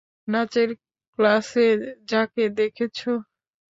নাচের ক্লাসে যাকে দেখেছ।